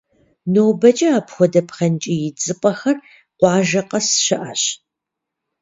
Нобэкӏэ апхуэдэ пхъэнкӏий идзыпӏэхэр къуажэ къэс щыӏэщ.